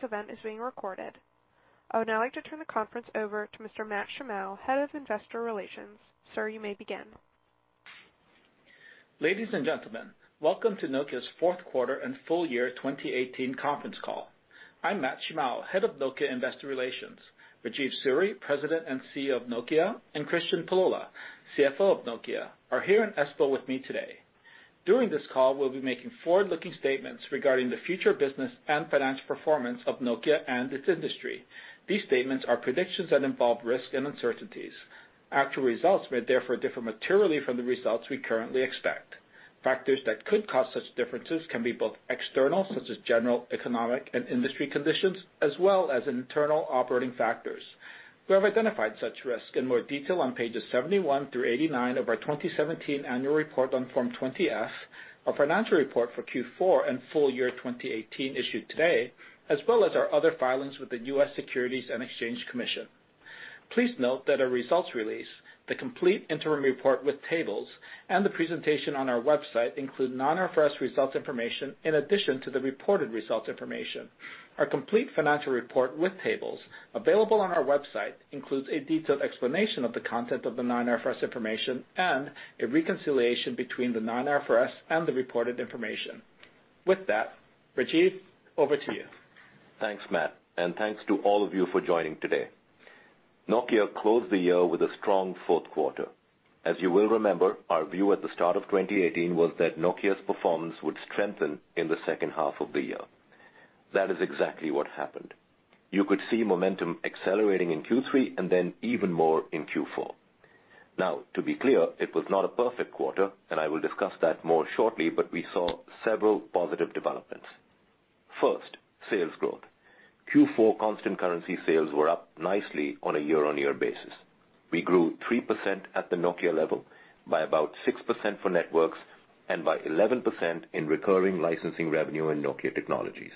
This event is being recorded. I would now like to turn the conference over to Mr. Matt Shimao, Head of Investor Relations. Sir, you may begin. Ladies and gentlemen, welcome to Nokia's fourth quarter and full year 2018 conference call. I'm Matt Shimao, Head of Nokia Investor Relations. Rajeev Suri, President and CEO of Nokia, and Kristian Pullola, CFO of Nokia, are here in Espoo with me today. During this call, we'll be making forward-looking statements regarding the future business and financial performance of Nokia and its industry. These statements are predictions that involve risks and uncertainties. Actual results may therefore differ materially from the results we currently expect. Factors that could cause such differences can be both external, such as general economic and industry conditions, as well as internal operating factors. We have identified such risks in more detail on pages 71 through 89 of our 2017 annual report on Form 20-F, our financial report for Q4 and full year 2018 issued today, as well as our other filings with the U.S. Securities and Exchange Commission. Please note that our results release, the complete interim report with tables, and the presentation on our website include non-IFRS results information in addition to the reported results information. Our complete financial report with tables available on our website includes a detailed explanation of the content of the non-IFRS information and a reconciliation between the non-IFRS and the reported information. With that, Rajeev, over to you. Thanks, Matt, and thanks to all of you for joining today. Nokia closed the year with a strong fourth quarter. As you will remember, our view at the start of 2018 was that Nokia's performance would strengthen in the second half of the year. That is exactly what happened. You could see momentum accelerating in Q3 and then even more in Q4. Now, to be clear, it was not a perfect quarter, and I will discuss that more shortly, but we saw several positive developments. First, sales growth. Q4 constant currency sales were up nicely on a year-on-year basis. We grew 3% at the Nokia level, by about 6% for Networks, and by 11% in recurring licensing revenue in Nokia Technologies.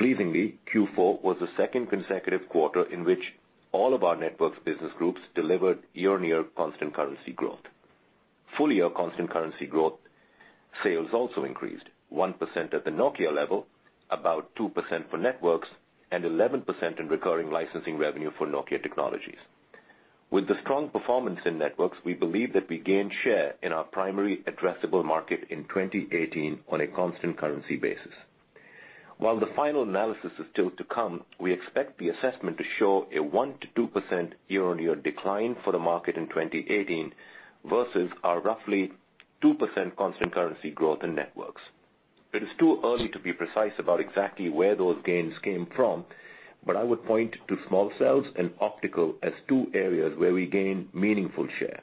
Pleasingly, Q4 was the second consecutive quarter in which all of our Networks business groups delivered year-on-year constant currency growth. Full-year constant currency growth sales also increased 1% at the Nokia level, about 2% for Networks, and 11% in recurring licensing revenue for Nokia Technologies. With the strong performance in Networks, we believe that we gained share in our primary addressable market in 2018 on a constant currency basis. While the final analysis is still to come, we expect the assessment to show a 1%-2% year-on-year decline for the market in 2018 versus our roughly 2% constant currency growth in Networks. It is too early to be precise about exactly where those gains came from, but I would point to small cells and optical as two areas where we gained meaningful share.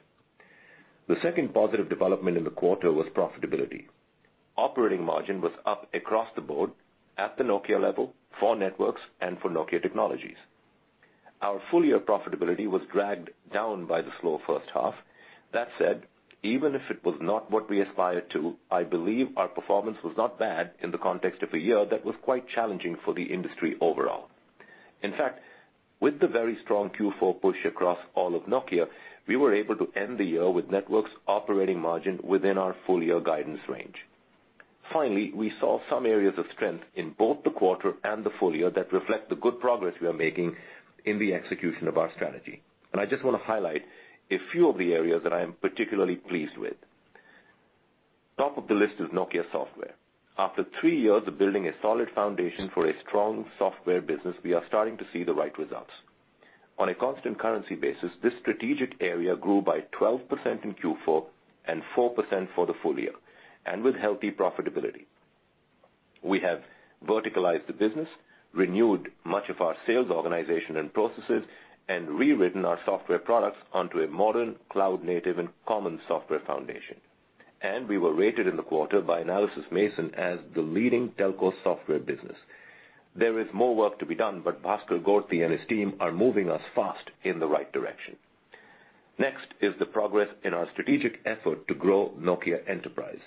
The second positive development in the quarter was profitability. Operating margin was up across the board at the Nokia level, for Networks, and for Nokia Technologies. Our full-year profitability was dragged down by the slow first half. That said, even if it was not what we aspired to, I believe our performance was not bad in the context of a year that was quite challenging for the industry overall. In fact, with the very strong Q4 push across all of Nokia, we were able to end the year with Networks operating margin within our full-year guidance range. Finally, we saw some areas of strength in both the quarter and the full year that reflect the good progress we are making in the execution of our strategy. I just want to highlight a few of the areas that I am particularly pleased with. Top of the list is Nokia Software. After three years of building a solid foundation for a strong software business, we are starting to see the right results. On a constant currency basis, this strategic area grew by 12% in Q4 and 4% for the full year, and with healthy profitability. We have verticalized the business, renewed much of our sales organization and processes, and rewritten our software products onto a modern cloud-native and common software foundation. We were rated in the quarter by Analysys Mason as the leading telco software business. There is more work to be done, Bhaskar Gorti and his team are moving us fast in the right direction. Next is the progress in our strategic effort to grow Nokia Enterprise.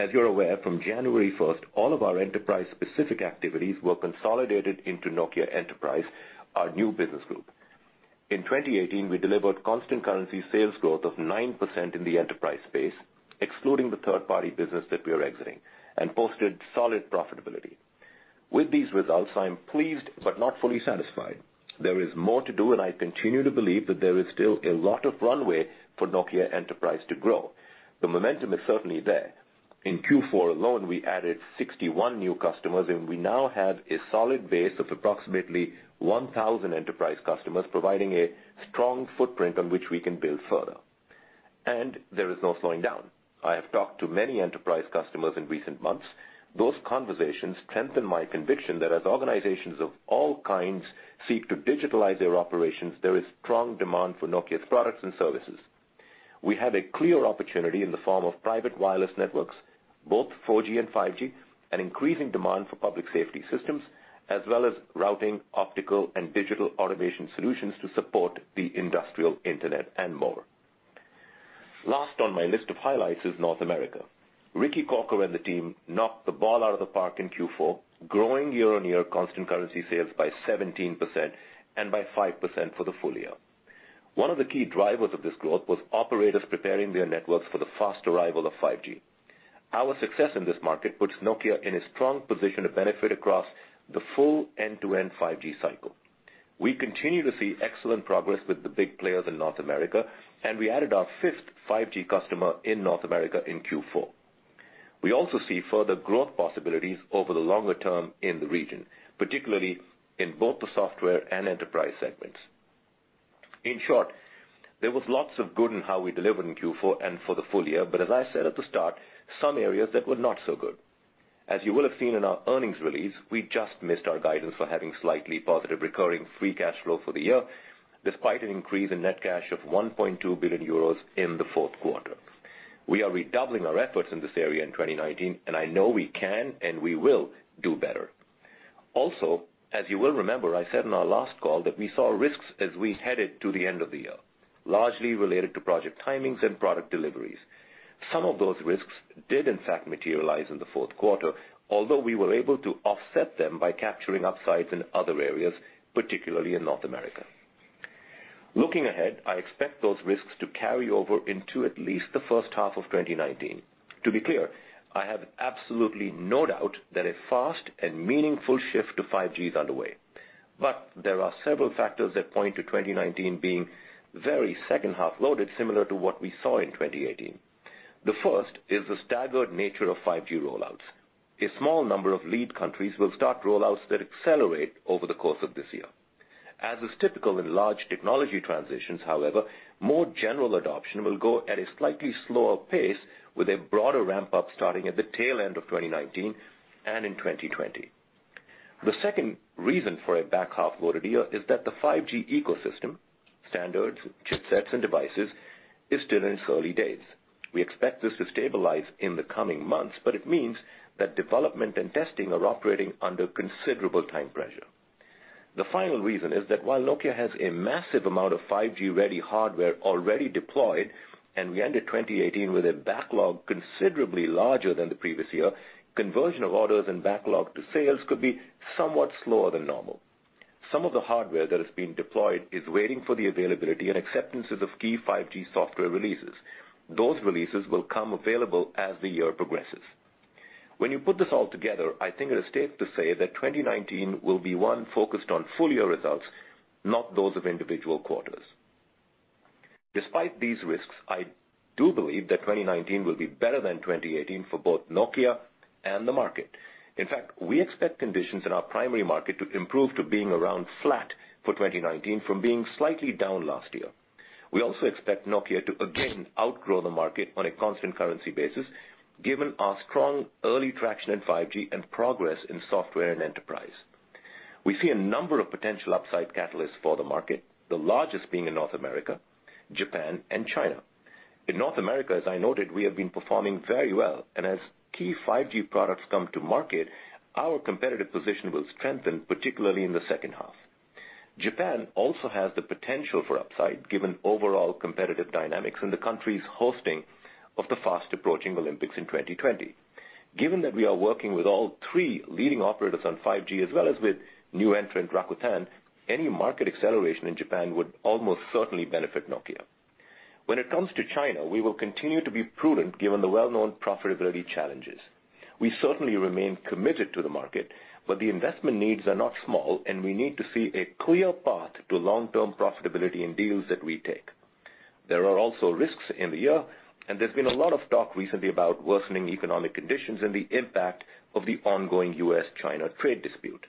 As you're aware, from January 1st, all of our enterprise-specific activities were consolidated into Nokia Enterprise, our new business group. In 2018, we delivered constant currency sales growth of 9% in the enterprise space, excluding the third-party business that we are exiting, and posted solid profitability. With these results, I am pleased but not fully satisfied. There is more to do, and I continue to believe that there is still a lot of runway for Nokia Enterprise to grow. The momentum is certainly there. In Q4 alone, we added 61 new customers, and we now have a solid base of approximately 1,000 enterprise customers, providing a strong footprint on which we can build further. There is no slowing down. I have talked to many enterprise customers in recent months. Those conversations strengthen my conviction that as organizations of all kinds seek to digitalize their operations, there is strong demand for Nokia's products and services. We have a clear opportunity in the form of private wireless networks, both 4G and 5G, an increasing demand for public safety systems, as well as routing, optical, and digital automation solutions to support the industrial internet and more. Last on my list of highlights is North America. Ricky Corker and the team knocked the ball out of the park in Q4, growing year-on-year constant currency sales by 17% and by 5% for the full year. One of the key drivers of this growth was operators preparing their networks for the fast arrival of 5G. Our success in this market puts Nokia in a strong position to benefit across the full end-to-end 5G cycle. We continue to see excellent progress with the big players in North America, and we added our fifth 5G customer in North America in Q4. We also see further growth possibilities over the longer term in the region, particularly in both the Software and Enterprise segments. In short, there was lots of good in how we delivered in Q4 and for the full year. As I said at the start, some areas that were not so good. As you will have seen in our earnings release, we just missed our guidance for having slightly positive recurring free cash flow for the year, despite an increase in net cash of 1.2 billion euros in the fourth quarter. We are redoubling our efforts in this area in 2019. I know we can and we will do better. As you will remember, I said on our last call that we saw risks as we headed to the end of the year, largely related to project timings and product deliveries. Some of those risks did in fact materialize in the fourth quarter, although we were able to offset them by capturing upsides in other areas, particularly in North America. Looking ahead, I expect those risks to carry over into at least the first half of 2019. To be clear, I have absolutely no doubt that a fast and meaningful shift to 5G is underway. There are several factors that point to 2019 being very second-half loaded, similar to what we saw in 2018. The first is the staggered nature of 5G rollouts. A small number of lead countries will start rollouts that accelerate over the course of this year. As is typical in large technology transitions, however, more general adoption will go at a slightly slower pace with a broader ramp-up starting at the tail end of 2019 and in 2020. The second reason for a back half-loaded year is that the 5G ecosystem, standards, chipsets, and devices, is still in its early days. We expect this to stabilize in the coming months. It means that development and testing are operating under considerable time pressure. The final reason is that while Nokia has a massive amount of 5G-ready hardware already deployed, and we ended 2018 with a backlog considerably larger than the previous year, conversion of orders and backlog to sales could be somewhat slower than normal. Some of the hardware that has been deployed is waiting for the availability and acceptance of key 5G software releases. Those releases will come available as the year progresses. When you put this all together, I think it is safe to say that 2019 will be one focused on full year results, not those of individual quarters. Despite these risks, I do believe that 2019 will be better than 2018 for both Nokia and the market. In fact, we expect conditions in our primary market to improve to being around flat for 2019 from being slightly down last year. We also expect Nokia to again outgrow the market on a constant currency basis given our strong early traction in 5G and progress in software and enterprise. We see a number of potential upside catalysts for the market, the largest being in North America, Japan, and China. In North America, as I noted, we have been performing very well, and as key 5G products come to market, our competitive position will strengthen, particularly in the second half. Japan also has the potential for upside given overall competitive dynamics and the country's hosting of the fast-approaching Olympics in 2020. Given that we are working with all three leading operators on 5G as well as with new entrant Rakuten, any market acceleration in Japan would almost certainly benefit Nokia. When it comes to China, we will continue to be prudent given the well-known profitability challenges. We certainly remain committed to the market, but the investment needs are not small, and we need to see a clear path to long-term profitability in deals that we take. There are also risks in the year. There's been a lot of talk recently about worsening economic conditions and the impact of the ongoing U.S.-China trade dispute.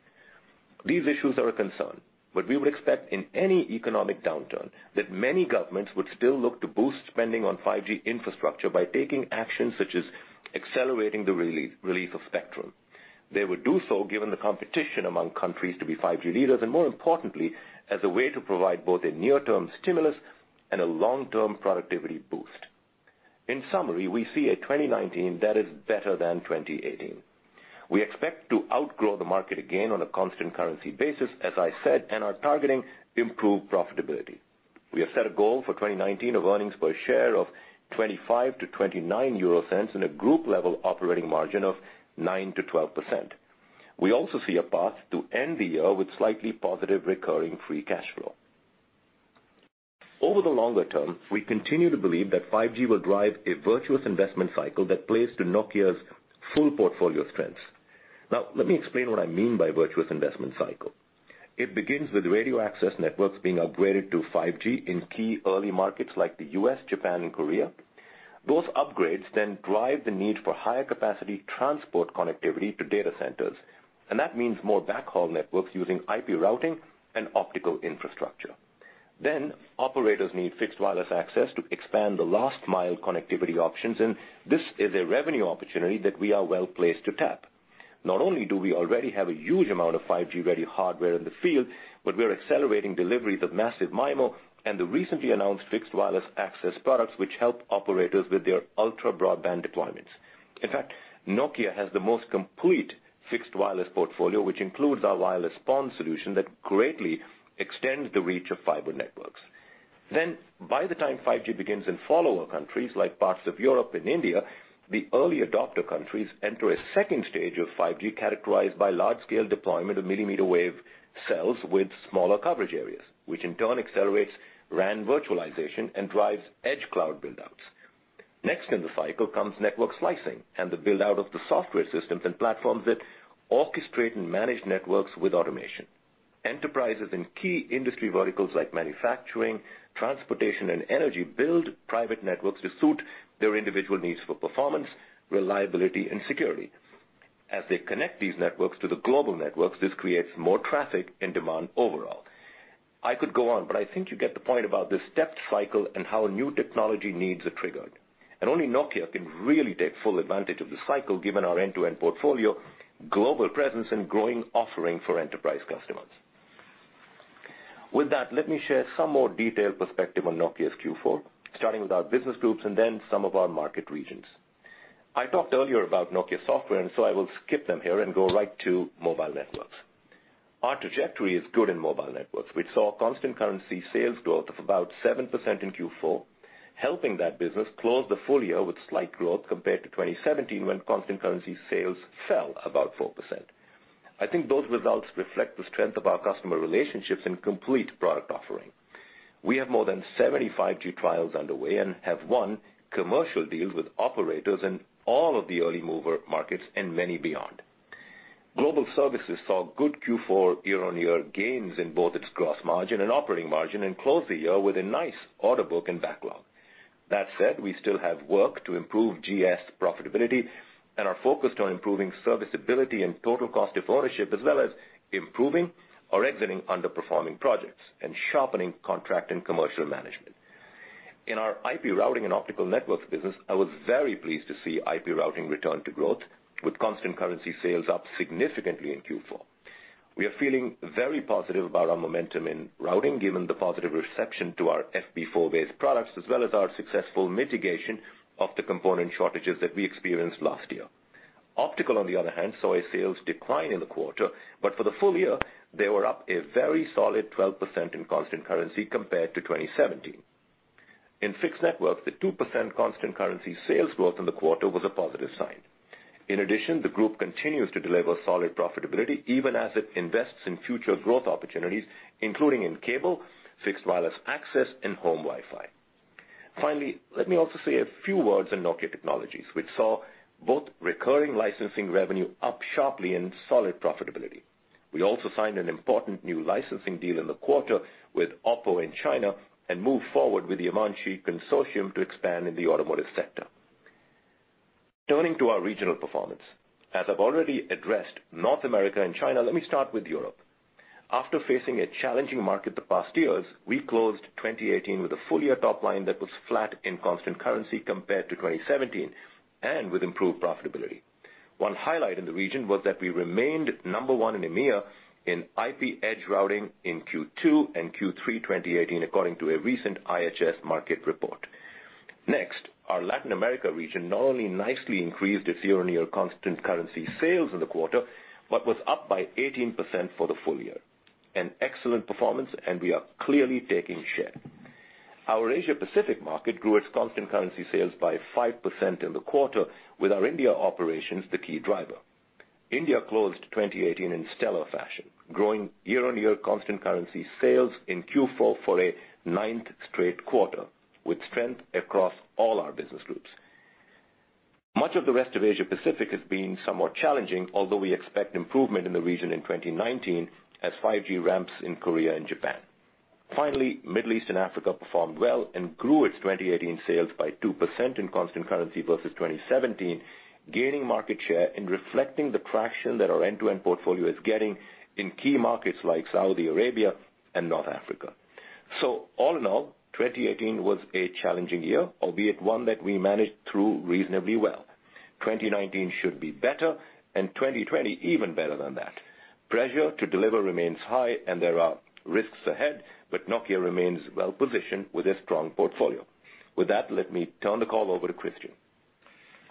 These issues are a concern. We would expect in any economic downturn that many governments would still look to boost spending on 5G infrastructure by taking actions such as accelerating the release of spectrum. They would do so given the competition among countries to be 5G leaders. More importantly, as a way to provide both a near-term stimulus and a long-term productivity boost. In summary, we see a 2019 that is better than 2018. We expect to outgrow the market again on a constant currency basis, as I said, and are targeting improved profitability. We have set a goal for 2019 of earnings per share of 0.25 to 0.29 in a group level operating margin of 9%-12%. We also see a path to end the year with slightly positive recurring free cash flow. Over the longer term, we continue to believe that 5G will drive a virtuous investment cycle that plays to Nokia's full portfolio strengths. Now, let me explain what I mean by virtuous investment cycle. It begins with radio access networks being upgraded to 5G in key early markets like the U.S., Japan, and Korea. Those upgrades drive the need for higher capacity transport connectivity to data centers. That means more backhaul networks using IP Routing and optical infrastructure. Operators need fixed wireless access to expand the last mile connectivity options. This is a revenue opportunity that we are well-placed to tap. Not only do we already have a huge amount of 5G-ready hardware in the field. We are accelerating deliveries of massive MIMO and the recently announced fixed wireless access products which help operators with their ultra broadband deployments. In fact, Nokia has the most complete fixed wireless portfolio, which includes our Wireless PON solution that greatly extends the reach of fiber networks. By the time 5G begins in follower countries like parts of Europe and India, the early adopter countries enter a stage 2 of 5G characterized by large-scale deployment of millimeter wave cells with smaller coverage areas, which in turn accelerates RAN virtualization and drives edge cloud buildups. Next in the cycle comes network slicing and the build-out of the software systems and platforms that orchestrate and manage networks with automation. Enterprises in key industry verticals like manufacturing, transportation, and energy build private networks to suit their individual needs for performance, reliability, and security. As they connect these networks to the global networks, this creates more traffic and demand overall. I could go on, but I think you get the point about this stepped cycle and how new technology needs are triggered. Only Nokia can really take full advantage of this cycle given our end-to-end portfolio, global presence, and growing offering for enterprise customers. With that, let me share some more detailed perspective on Nokia's Q4, starting with our business groups and then some of our market regions. I talked earlier about Nokia Software, I will skip them here and go right to Mobile Networks. Our trajectory is good in Mobile Networks. We saw constant currency sales growth of about 7% in Q4, helping that business close the full year with slight growth compared to 2017, when constant currency sales fell about 4%. I think those results reflect the strength of our customer relationships and complete product offering. We have more than 75 5G trials underway and have won commercial deals with operators in all of the early mover markets and many beyond. Global Services saw good Q4 year-on-year gains in both its gross margin and operating margin and closed the year with a nice order book and backlog. That said, we still have work to improve GS profitability and are focused on improving serviceability and total cost of ownership, as well as improving or exiting underperforming projects and sharpening contract and commercial management. In our IP Routing and Optical Networks business, I was very pleased to see IP Routing return to growth with constant currency sales up significantly in Q4. We are feeling very positive about our momentum in routing, given the positive reception to our FP4-based products, as well as our successful mitigation of the component shortages that we experienced last year. Optical, on the other hand, saw a sales decline in the quarter, but for the full year, they were up a very solid 12% in constant currency compared to 2017. In Fixed Networks, the 2% constant currency sales growth in the quarter was a positive sign. In addition, the group continues to deliver solid profitability even as it invests in future growth opportunities, including in cable, fixed wireless access, and home Wi-Fi. Finally, let me also say a few words on Nokia Technologies, which saw both recurring licensing revenue up sharply and solid profitability. We also signed an important new licensing deal in the quarter with OPPO in China and moved forward with the Avanci consortium to expand in the automotive sector. Turning to our regional performance. As I've already addressed North America and China, let me start with Europe. After facing a challenging market the past years, we closed 2018 with a full-year top line that was flat in constant currency compared to 2017, and with improved profitability. One highlight in the region was that we remained number one in EMEA in IP Edge Routing in Q2 and Q3 2018, according to a recent IHS Markit report. Our Latin America region not only nicely increased its year-on-year constant currency sales in the quarter, but was up by 18% for the full year. An excellent performance, we are clearly taking share. Our Asia Pacific market grew its constant currency sales by 5% in the quarter with our India operations the key driver. India closed 2018 in stellar fashion, growing year-on-year constant currency sales in Q4 for a ninth straight quarter, with strength across all our business groups. Much of the rest of Asia Pacific has been somewhat challenging, although we expect improvement in the region in 2019 as 5G ramps in Korea and Japan. Middle East and Africa performed well and grew its 2018 sales by 2% in constant currency versus 2017, gaining market share and reflecting the traction that our end-to-end portfolio is getting in key markets like Saudi Arabia and North Africa. All in all, 2018 was a challenging year, albeit one that we managed through reasonably well. 2019 should be better, 2020 even better than that. Pressure to deliver remains high and there are risks ahead, Nokia remains well-positioned with a strong portfolio. With that, let me turn the call over to Kristian.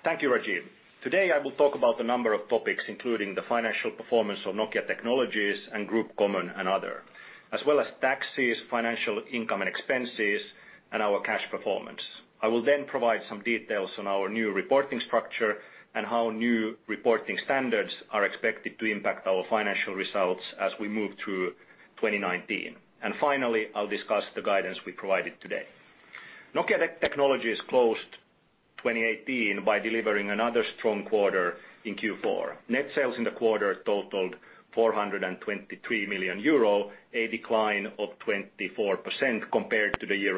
Thank you, Rajeev. Today, I will talk about a number of topics, including the financial performance of Nokia Technologies and Group Common and Other, as well as taxes, financial income and expenses, and our cash performance. I will provide some details on our new reporting structure and how new reporting standards are expected to impact our financial results as we move through 2019. Finally, I'll discuss the guidance we provided today. Nokia Technologies closed 2018 by delivering another strong quarter in Q4. Net sales in the quarter totaled 423 million euro, a decline of 24% compared to the year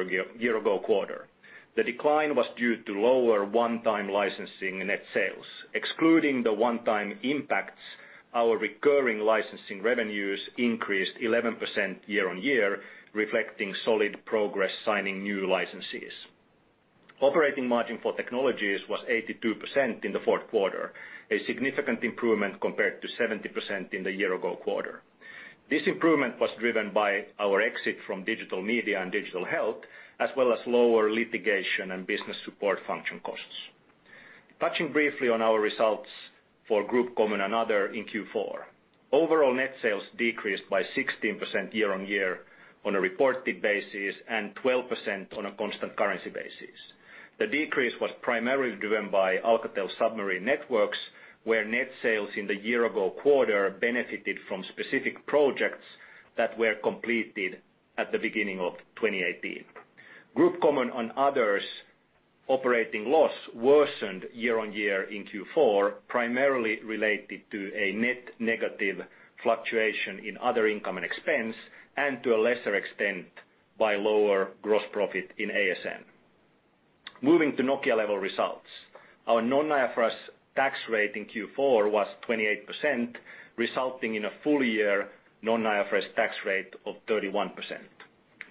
ago quarter. The decline was due to lower one-time licensing net sales. Excluding the one-time impacts, our recurring licensing revenues increased 11% year-on-year, reflecting solid progress signing new licensees. Operating margin for technologies was 82% in the fourth quarter, a significant improvement compared to 70% in the year-ago quarter. This improvement was driven by our exit from digital media and digital health, as well as lower litigation and business support function costs. Touching briefly on our results for Group Common and Other in Q4. Overall net sales decreased by 16% year-on-year on a reported basis and 12% on a constant currency basis. The decrease was primarily driven by Alcatel Submarine Networks, where net sales in the year-ago quarter benefited from specific projects that were completed at the beginning of 2018. Group Common and Other's operating loss worsened year-on-year in Q4, primarily related to a net negative fluctuation in other income and expense, and to a lesser extent, by lower gross profit in ASN. Moving to Nokia level results. Our non-IFRS tax rate in Q4 was 28%, resulting in a full year non-IFRS tax rate of 31%.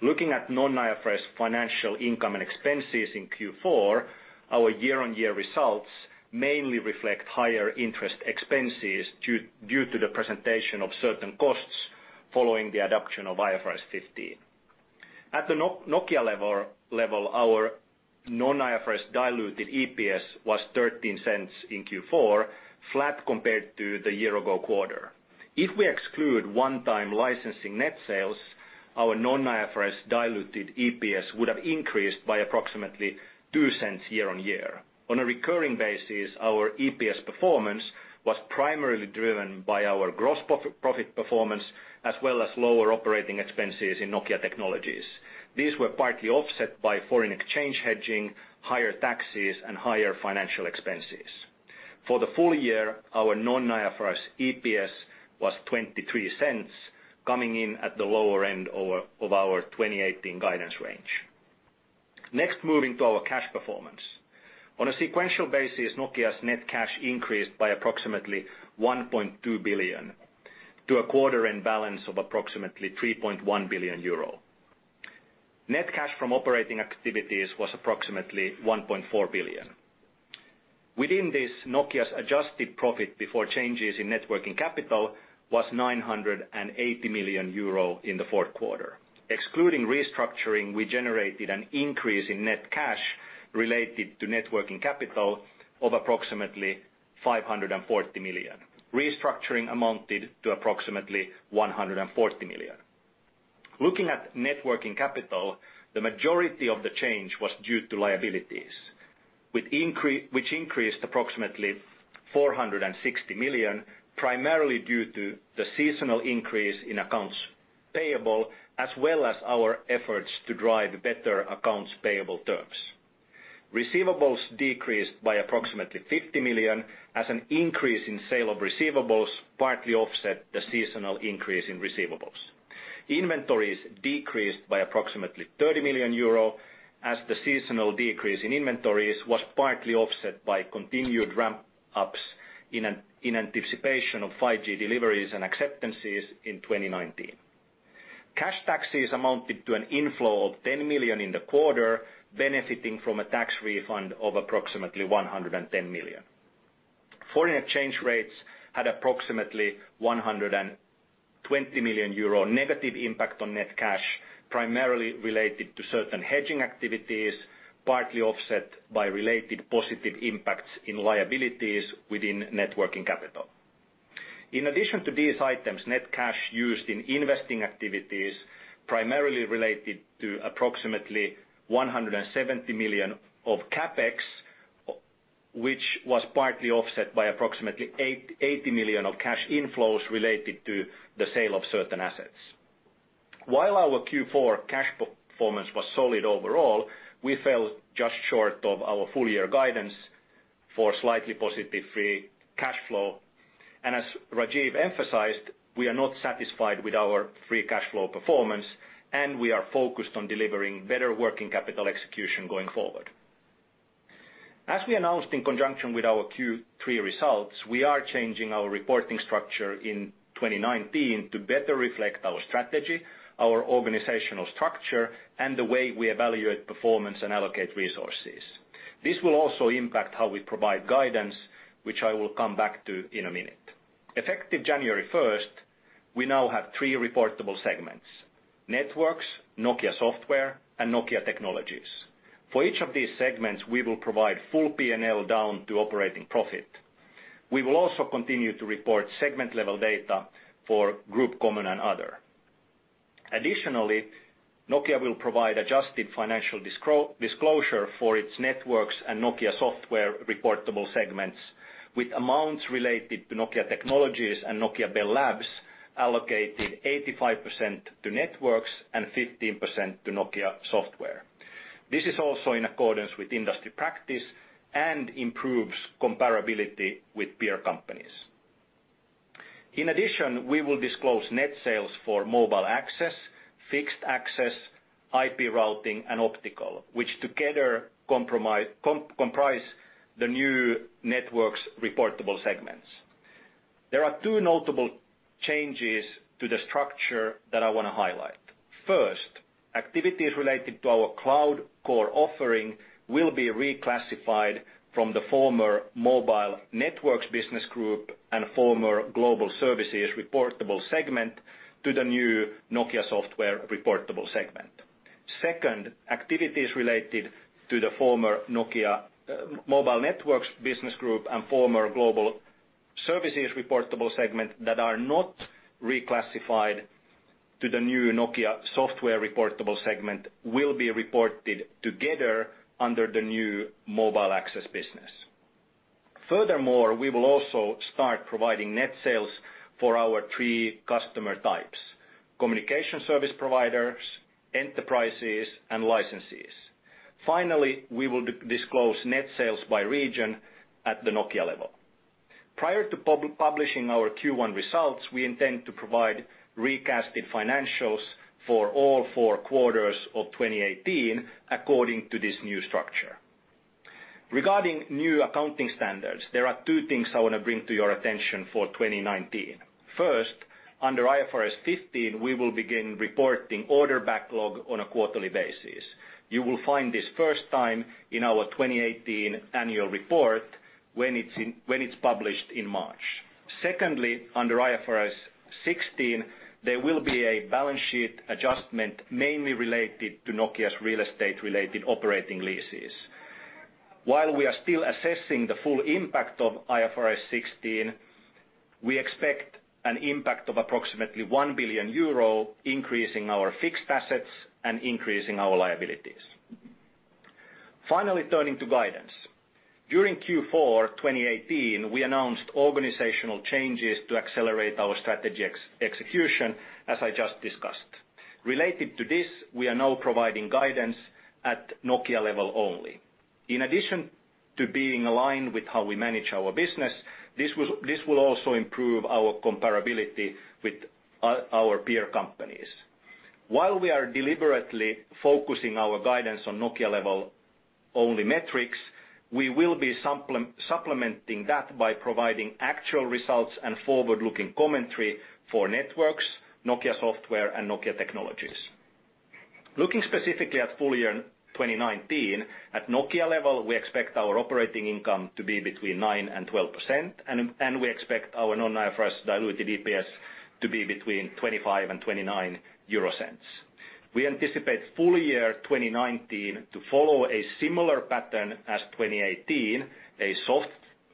Looking at non-IFRS financial income and expenses in Q4, our year-on-year results mainly reflect higher interest expenses due to the presentation of certain costs following the adoption of IFRS 15. At the Nokia level, our non-IFRS diluted EPS was 0.13 in Q4, flat compared to the year ago quarter. If we exclude one-time licensing net sales, our non-IFRS diluted EPS would have increased by approximately 0.02 year on year. On a recurring basis, our EPS performance was primarily driven by our gross profit performance, as well as lower operating expenses in Nokia Technologies. These were partly offset by foreign exchange hedging, higher taxes, and higher financial expenses. For the full year, our non-IFRS EPS was 0.23, coming in at the lower end of our 2018 guidance range. Moving to our cash performance. On a sequential basis, Nokia's net cash increased by approximately 1.2 billion to a quarter end balance of approximately 3.1 billion euro. Net cash from operating activities was approximately 1.4 billion. Within this, Nokia's adjusted profit before changes in net working capital was 980 million euro in the fourth quarter. Excluding restructuring, we generated an increase in net cash related to net working capital of approximately 540 million. Restructuring amounted to approximately 140 million. Looking at net working capital, the majority of the change was due to liabilities, which increased approximately 460 million, primarily due to the seasonal increase in accounts payable, as well as our efforts to drive better accounts payable terms. Receivables decreased by approximately 50 million as an increase in sale of receivables partly offset the seasonal increase in receivables. Inventories decreased by approximately 30 million euro as the seasonal decrease in inventories was partly offset by continued ramp-ups in anticipation of 5G deliveries and acceptances in 2019. Cash taxes amounted to an inflow of 10 million in the quarter, benefiting from a tax refund of approximately 110 million. Foreign exchange rates had approximately 120 million euro negative impact on net cash, primarily related to certain hedging activities, partly offset by related positive impacts in liabilities within net working capital. In addition to these items, net cash used in investing activities primarily related to approximately 170 million of CapEx, which was partly offset by approximately 80 million of cash inflows related to the sale of certain assets. Our Q4 cash performance was solid overall, we fell just short of our full year guidance for slightly positive free cash flow. As Rajeev emphasized, we are not satisfied with our free cash flow performance, and we are focused on delivering better working capital execution going forward. As we announced in conjunction with our Q3 results, we are changing our reporting structure in 2019 to better reflect our strategy, our organizational structure, and the way we evaluate performance and allocate resources. This will also impact how we provide guidance, which I will come back to in a minute. Effective January 1st, we now have three reportable segments: Networks, Nokia Software, and Nokia Technologies. For each of these segments, we will provide full P&L down to operating profit. We will also continue to report segment-level data for Group Common and Other. Additionally, Nokia will provide adjusted financial disclosure for its Networks and Nokia Software reportable segments with amounts related to Nokia Technologies and Nokia Bell Labs allocated 85% to Networks and 15% to Nokia Software. This is also in accordance with industry practice and improves comparability with peer companies. In addition, we will disclose net sales for Mobile Access, Fixed Access, IP Routing, and Optical, which together comprise the new Networks reportable segments. There are two notable changes to the structure that I want to highlight. First, activities related to our Cloud Core offering will be reclassified from the former Mobile Networks business group and former Global Services reportable segment to the new Nokia Software reportable segment. Second, activities related to the former Nokia Mobile Networks business group and former Global Services reportable segment that are not reclassified to the new Nokia Software reportable segment will be reported together under the new Mobile Access business. We will also start providing net sales for our 3 customer types: communication service providers, enterprises, and licensees. We will disclose net sales by region at the Nokia level. Prior to publishing our Q1 results, we intend to provide recasted financials for all 4 quarters of 2018 according to this new structure. Regarding new accounting standards, there are two things I want to bring to your attention for 2019. First, under IFRS 15, we will begin reporting order backlog on a quarterly basis. You will find this first time in our 2018 annual report when it's published in March. Secondly, under IFRS 16, there will be a balance sheet adjustment mainly related to Nokia's real estate-related operating leases. While we are still assessing the full impact of IFRS 16, we expect an impact of approximately 1 billion euro increasing our fixed assets and increasing our liabilities. Turning to guidance. During Q4 2018, we announced organizational changes to accelerate our strategy execution, as I just discussed. Related to this, we are now providing guidance at Nokia level only. In addition to being aligned with how we manage our business, this will also improve our comparability with our peer companies. While we are deliberately focusing our guidance on Nokia-level-only metrics, we will be supplementing that by providing actual results and forward-looking commentary for Networks, Nokia Software, and Nokia Technologies. Looking specifically at full year 2019, at Nokia level, we expect our operating income to be between 9%-12%, and we expect our non-IFRS diluted EPS to be between 0.25-0.29 euro. We anticipate full year 2019 to follow a similar pattern as 2018, a soft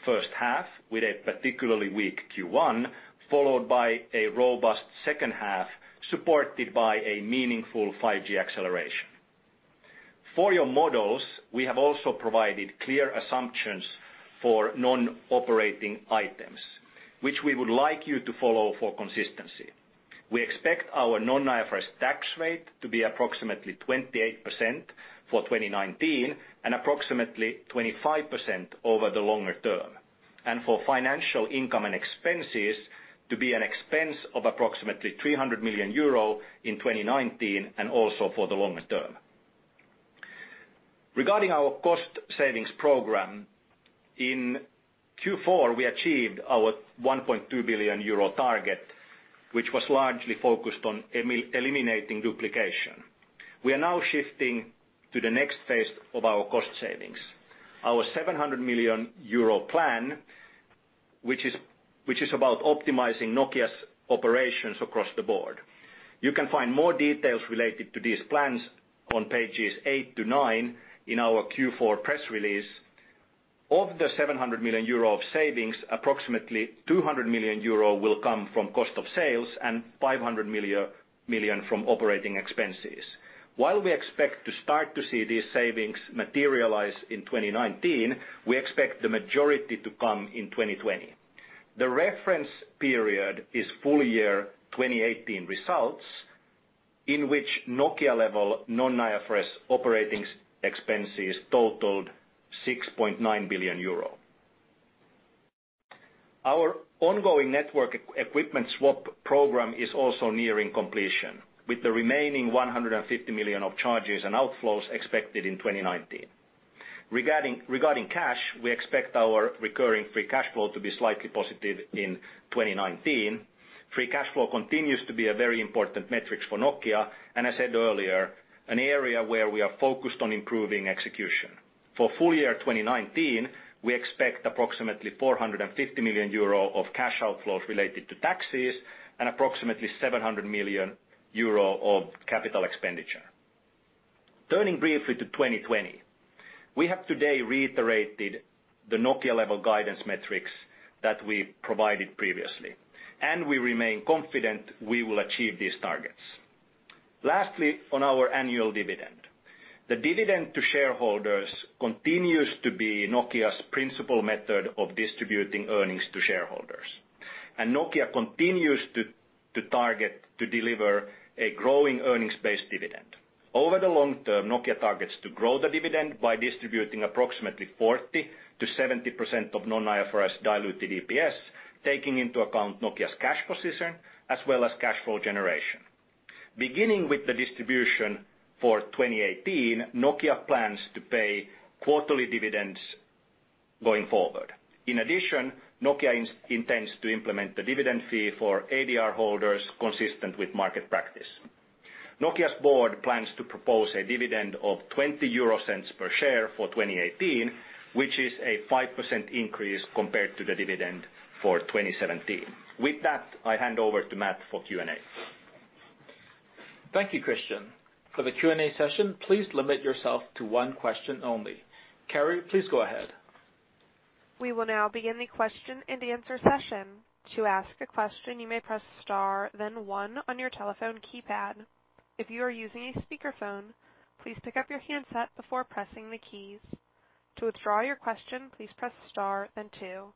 first half with a particularly weak Q1, followed by a robust second half, supported by a meaningful 5G acceleration. For your models, we have also provided clear assumptions for non-operating items, which we would like you to follow for consistency. We expect our non-IFRS tax rate to be approximately 28% for 2019 and approximately 25% over the longer term, and for financial income and expenses to be an expense of approximately 300 million euro in 2019, and also for the longer term. Regarding our cost savings program, in Q4, we achieved our 1.2 billion euro target, which was largely focused on eliminating duplication. We are now shifting to the next phase of our cost savings, our 700 million euro plan, which is about optimizing Nokia's operations across the board. You can find more details related to these plans on pages eight to nine in our Q4 press release. Of the 700 million euro of savings, approximately 200 million euro will come from cost of sales and 500 million from operating expenses. While we expect to start to see these savings materialize in 2019, we expect the majority to come in 2020. The reference period is full year 2018 results, in which Nokia level non-IFRS operating expenses totaled EUR 6.9 billion. Our ongoing network equipment swap program is also nearing completion, with the remaining 150 million of charges and outflows expected in 2019. Regarding cash, we expect our recurring free cash flow to be slightly positive in 2019. Free cash flow continues to be a very important metric for Nokia, and as I said earlier, an area where we are focused on improving execution. For full year 2019, we expect approximately 450 million euro of cash outflows related to taxes and approximately 700 million euro of capital expenditure. Turning briefly to 2020. We have today reiterated the Nokia level guidance metrics that we provided previously, and we remain confident we will achieve these targets. Lastly, on our annual dividend. The dividend to shareholders continues to be Nokia's principal method of distributing earnings to shareholders, and Nokia continues to target to deliver a growing earnings-based dividend. Over the long term, Nokia targets to grow the dividend by distributing approximately 40%-70% of non-IFRS diluted EPS, taking into account Nokia's cash position as well as cash flow generation. Beginning with the distribution for 2018, Nokia plans to pay quarterly dividends going forward. In addition, Nokia intends to implement the dividend fee for ADR holders consistent with market practice. Nokia's board plans to propose a dividend of 0.20 per share for 2018, which is a 5% increase compared to the dividend for 2017. With that, I hand over to Matt for Q&A. Thank you, Kristian. For the Q&A session, please limit yourself to one question only. Carrie, please go ahead. We will now begin the question and answer session. To ask a question, you may press star, then one on your telephone keypad. If you are using a speakerphone, please pick up your handset before pressing the keys. To withdraw your question, please press star then two.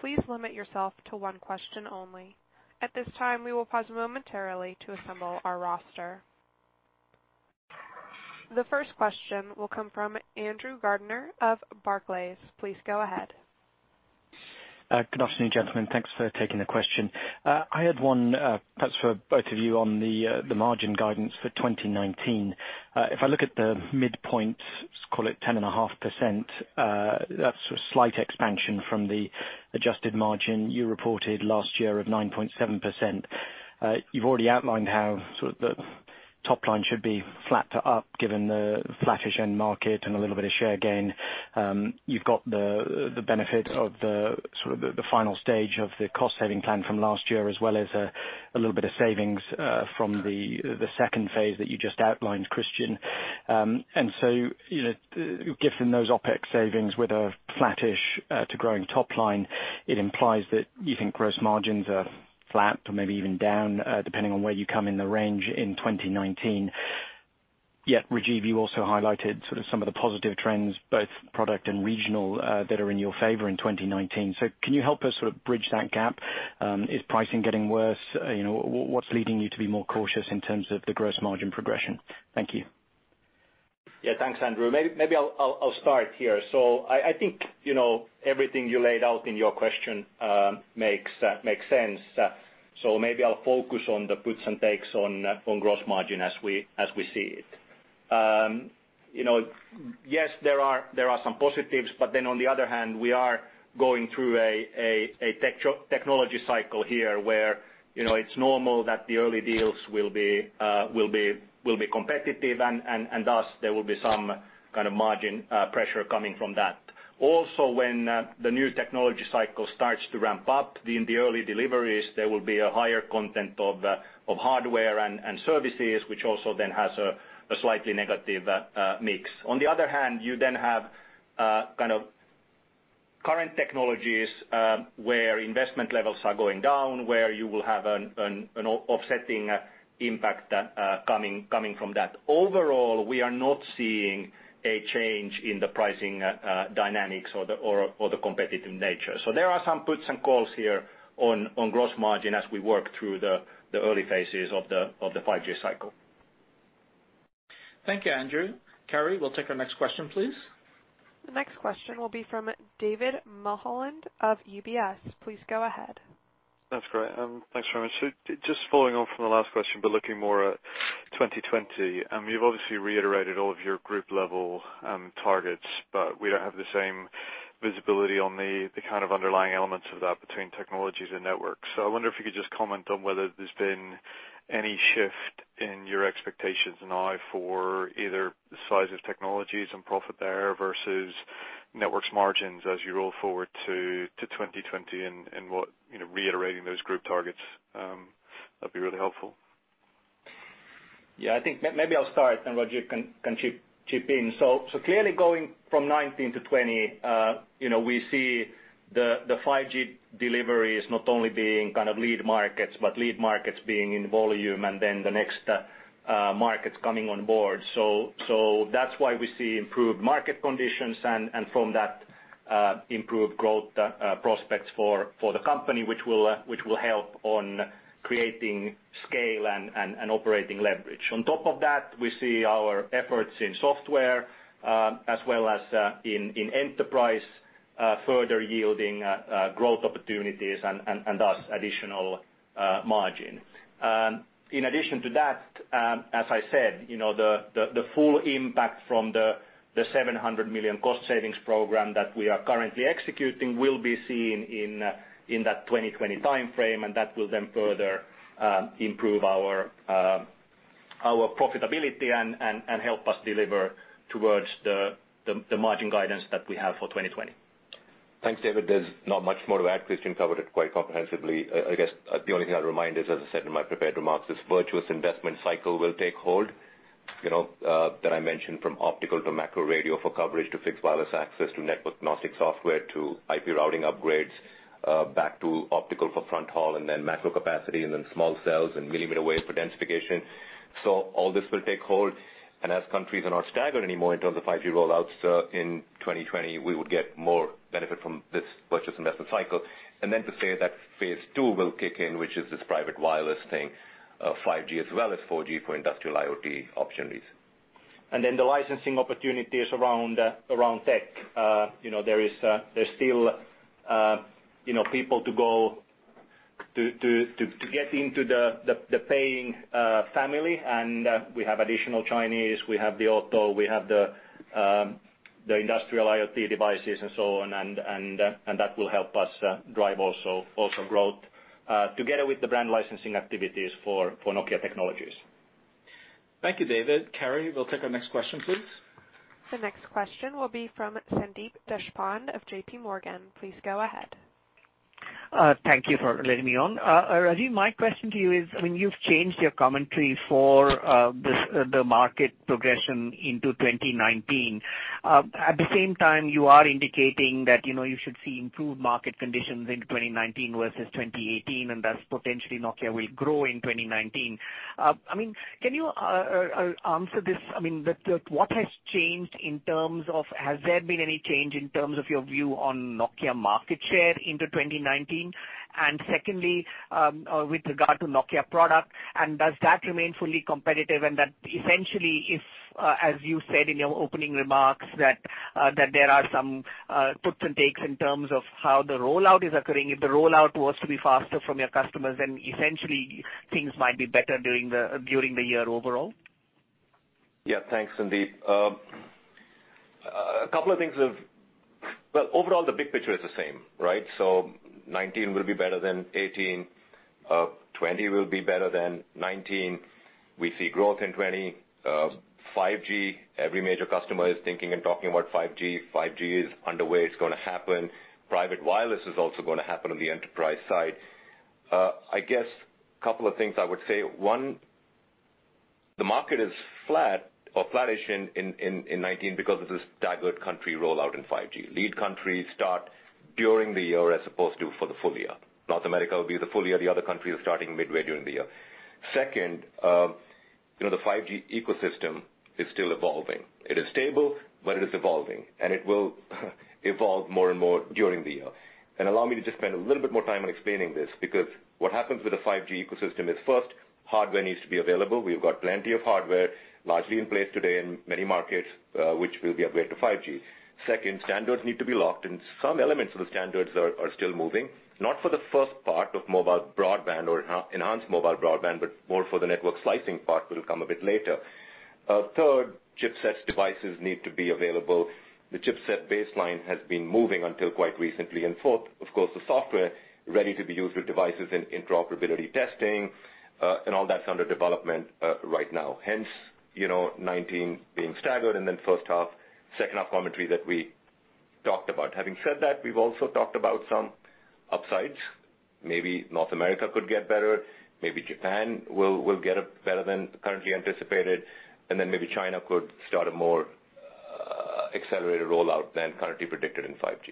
Please limit yourself to one question only. At this time, we will pause momentarily to assemble our roster. The first question will come from Andrew Gardiner of Barclays. Please go ahead. Good afternoon, gentlemen. Thanks for taking the question. I had one perhaps for both of you on the margin guidance for 2019. If I look at the midpoint, let's call it 10.5%, that's a slight expansion from the adjusted margin you reported last year of 9.7%. You've already outlined how the top line should be flat to up given the flattish end market and a little bit of share gain. You've got the benefit of the final stage of the cost-saving plan from last year, as well as a little bit of savings from the second phase that you just outlined, Kristian. Given those OpEx savings with a flattish to growing top line, it implies that you think gross margins are flat or maybe even down, depending on where you come in the range in 2019. Rajeev, you also highlighted some of the positive trends, both product and regional, that are in your favor in 2019. Can you help us bridge that gap? Is pricing getting worse? What's leading you to be more cautious in terms of the gross margin progression? Thank you. Yeah, thanks, Andrew. Maybe I'll start here. I think everything you laid out in your question makes sense. Maybe I'll focus on the puts and takes on gross margin as we see it. Yes, there are some positives, on the other hand, we are going through a technology cycle here where it's normal that the early deals will be competitive, and thus there will be some kind of margin pressure coming from that. Also, when the new technology cycle starts to ramp up in the early deliveries, there will be a higher content of hardware and services, which also then has a slightly negative mix. On the other hand, you have current technologies, where investment levels are going down, where you will have an offsetting impact coming from that. Overall, we are not seeing a change in the pricing dynamics or the competitive nature. There are some puts and calls here on gross margin as we work through the early phases of the 5G cycle. Thank you, Andrew. Carrie, we'll take our next question, please. The next question will be from David Mulholland of UBS. Please go ahead. That's great. Thanks very much. Just following on from the last question, but looking more at 2020. You've obviously reiterated all of your group level targets, but we don't have the same visibility on the kind of underlying elements of that between Technologies and Networks. I wonder if you could just comment on whether there's been any shift in your expectations now for either the size of Technologies and profit there versus Networks margins as you roll forward to 2020 and what reiterating those group targets. That'd be really helpful. I think maybe I'll start and Rajeev can chip in. Clearly going from 2019 to 2020, we see the 5G deliveries not only being lead markets, but lead markets being in volume and the next markets coming on board. That's why we see improved market conditions and from that, improved growth prospects for the company, which will help on creating scale and operating leverage. On top of that, we see our efforts in Software, as well as in Enterprise, further yielding growth opportunities and thus additional margin. In addition to that, as I said, the full impact from the 700 million cost savings program that we are currently executing will be seen in that 2020 timeframe, and that will further improve our profitability and help us deliver towards the margin guidance that we have for 2020. Thanks, David. There's not much more to add. Kristian covered it quite comprehensively. I guess the only thing I'd remind is, as I said in my prepared remarks, this virtuous investment cycle will take hold, that I mentioned from optical to macro radio for coverage to fixed wireless access to network agnostic software to IP Routing upgrades, back to optical for front haul and macro capacity and small cells and millimeter wave for densification. All this will take hold, and as countries are not staggered anymore in terms of 5G rollouts in 2020, we would get more benefit from this virtuous investment cycle. To say that phase 2 will kick in, which is this private wireless thing, 5G as well as 4G for industrial IoT opportunities. The licensing opportunities around tech. There's still people to go to get into the paying family, we have additional Chinese, we have the auto, we have the industrial IoT devices and so on, and that will help us drive also growth together with the brand licensing activities for Nokia Technologies. Thank you, David. Carrie, we'll take our next question, please. The next question will be from Sandeep Deshpande of JP Morgan. Please go ahead. Thank you for letting me on. Rajeev, my question to you is, you've changed your commentary for the market progression into 2019. At the same time, you are indicating that you should see improved market conditions in 2019 versus 2018, and thus potentially Nokia will grow in 2019. Can you answer this? What has changed in terms of, has there been any change in terms of your view on Nokia market share into 2019? Secondly, with regard to Nokia product, does that remain fully competitive and that essentially if, as you said in your opening remarks, that there are some puts and takes in terms of how the rollout is occurring, if the rollout was to be faster from your customers, then essentially things might be better during the year overall? Thanks, Sandeep. Overall, the big picture is the same, right? 2019 will be better than 2018. 2020 will be better than 2019. We see growth in 2020. 5G, every major customer is thinking and talking about 5G. 5G is underway. It's going to happen. Private wireless is also going to happen on the enterprise side. I guess a couple of things I would say. One, the market is flat or flattish in 2019 because of this staggered country rollout in 5G. Lead countries start during the year as opposed to for the full year. North America will be the full year. The other countries are starting midway during the year. Second, the 5G ecosystem is still evolving. It is stable, it is evolving, it will evolve more and more during the year. Allow me to just spend a little bit more time on explaining this, because what happens with a 5G ecosystem is first, hardware needs to be available. We've got plenty of hardware largely in place today in many markets, which will be upgraded to 5G. Second, standards need to be locked, some elements of the standards are still moving, not for the first part of mobile broadband or enhanced mobile broadband, but more for the network slicing part that will come a bit later. Third, chipsets devices need to be available. The chipset baseline has been moving until quite recently. Fourth, of course, the software ready to be used with devices and interoperability testing, and all that's under development right now. Hence, 2019 being staggered then first half, second half commentary that we talked about. Having said that, we've also talked about some upsides. Maybe North America could get better, maybe Japan will get better than currently anticipated, maybe China could start a more accelerated rollout than currently predicted in 5G.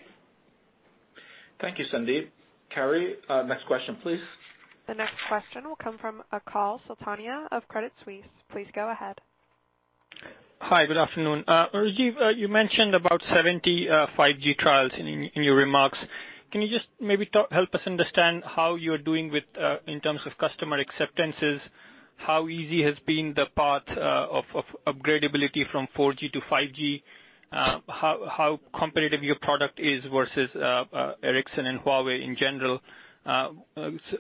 Thank you, Sandeep. Carrie, next question, please. The next question will come from Achal Sultania of Credit Suisse. Please go ahead. Hi, good afternoon. Rajeev, you mentioned about 70 5G trials in your remarks. Can you just maybe help us understand how you're doing in terms of customer acceptances? How easy has been the path of upgradeability from 4G to 5G? How competitive your product is versus Ericsson and Huawei in general?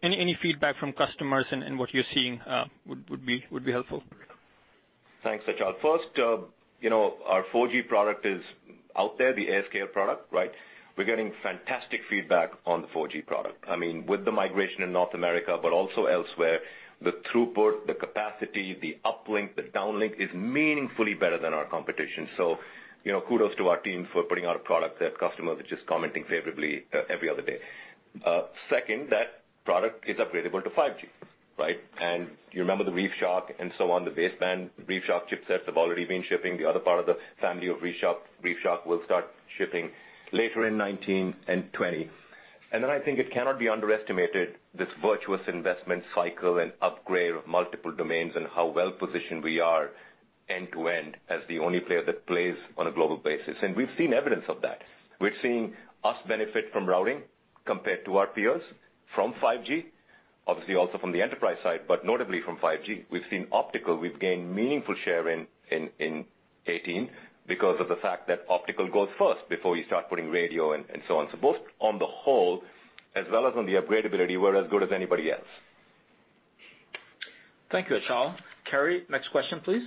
Any feedback from customers and what you're seeing would be helpful. Thanks, Achal. First, our 4G product is out there, the AirScale product, right? We're getting fantastic feedback on the 4G product. With the migration in North America, but also elsewhere, the throughput, the capacity, the uplink, the downlink is meaningfully better than our competition. Kudos to our teams for putting out a product that customers are just commenting favorably every other day. Second, that product is upgradable to 5G, right? You remember the ReefShark and so on, the baseband ReefShark chipsets have already been shipping. The other part of the family of ReefShark will start shipping later in 2019 and 2020. I think it cannot be underestimated, this virtuous investment cycle and upgrade of multiple domains and how well-positioned we are end-to-end as the only player that plays on a global basis. We've seen evidence of that. We're seeing us benefit from routing compared to our peers from 5G, obviously also from the enterprise side, but notably from 5G. We've seen optical, we've gained meaningful share in 2018 because of the fact that optical goes first before you start putting radio and so on. Both on the whole as well as on the upgradeability, we're as good as anybody else. Thank you, Achal. Carrie, next question, please.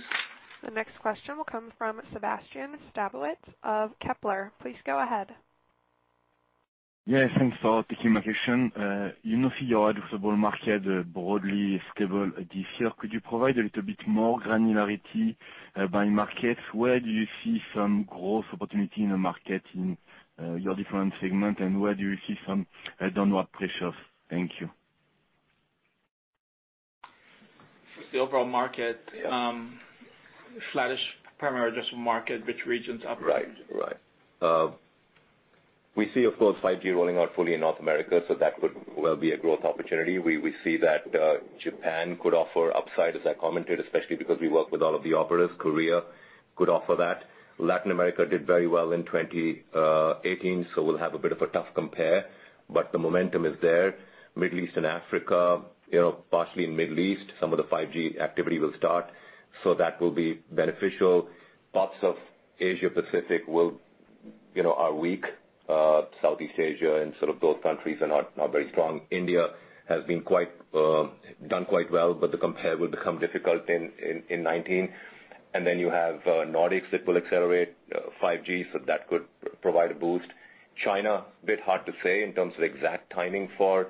The next question will come from Sebastien Sztabowicz of Kepler. Please go ahead. Yes, thanks for taking my question. You now see your addressable market broadly stable this year. Could you provide a little bit more granularity by markets? Where do you see some growth opportunity in the market in your different segment, and where do you see some downward pressure? Thank you. The overall market. Flattish primary addressable market. Which regions are up? Right. We see, of course, 5G rolling out fully in North America, so that could well be a growth opportunity. We see that Japan could offer upside, as I commented, especially because we work with all of the operators. Korea could offer that. Latin America did very well in 2018, so we'll have a bit of a tough compare, but the momentum is there. Middle East and Africa, partially in Middle East, some of the 5G activity will start, so that will be beneficial. Parts of Asia Pacific are weak. Southeast Asia and sort of those countries are not very strong. India has done quite well, but the compare will become difficult in 2019. You have Nordics that will accelerate 5G, so that could provide a boost. China, bit hard to say in terms of exact timing for